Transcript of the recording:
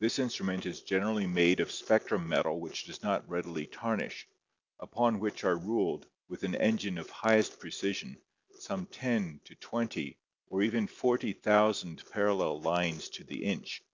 This instrument is generally made of spectrum metal which does not readily tarnish, upon which are ruled, with an engine of highest precision, some ten to twenty or even forty thousand parallel lines to the inch.